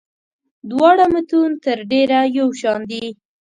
دواړه متون تر ډېره یو شان دي.